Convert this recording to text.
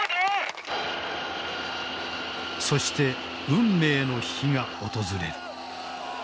そして運命の日が訪れる。